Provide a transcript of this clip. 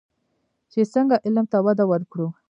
چې څنګه علم ته وده ورکړو.